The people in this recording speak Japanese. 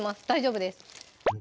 大丈夫です